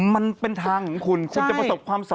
มันเป็นทางของคุณ